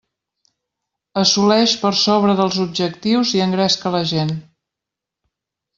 Assoleix per sobre dels objectius i engresca la gent.